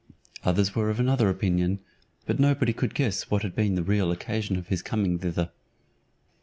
Others were of another opinion; but nobody could guess what had been the real occasion of his coming thither.